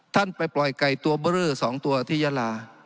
ไปปล่อยไก่ตัวเบอร์เรอ๒ตัวที่ยาลา